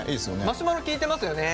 マシュマロ効いてますよね。